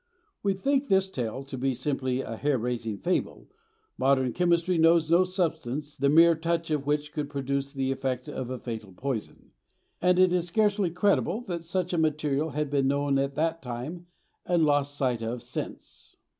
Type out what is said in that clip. We think this tale to be simply a hair raising fable—modern chemistry knows no substance the mere touch of which could produce the effect of a fatal poison; and it is scarcely credible that such a material had been known at that time and lost sight of since.